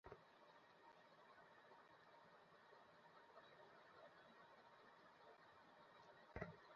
আমি কিন্তু কন্ট্রোলিং-এ হাত লাগানোর জন্য প্রস্তুত, বব!